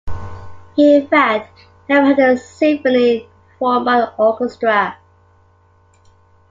He in fact never heard this symphony performed by an orchestra.